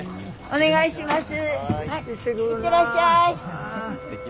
お願いします。